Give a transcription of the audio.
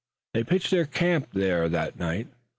They pitched their camp there that night.